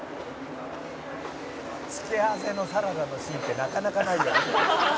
「付け合わせのサラダのシーンってなかなかないよね」